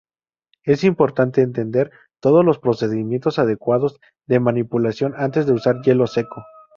Es importante entender todos los procedimientos adecuados de manipulación antes de usar hielo seco.